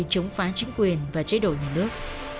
chống phá chính quyền và chế độ nhà nước